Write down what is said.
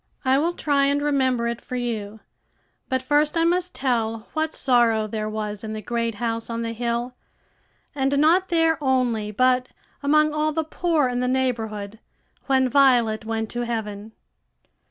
I will try and remember it for you; but first I must tell what sorrow there was in the great house on the hill, and not there only, but among all the poor in the neighborhood, when Violet went to heaven.